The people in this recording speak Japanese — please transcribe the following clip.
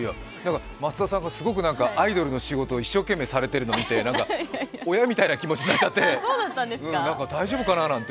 すごくアイドルの仕事を一生懸命されているのを見て、親みたいな気持ちになっちゃって大丈夫かななんて。